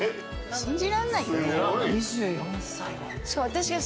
信じらんないよね。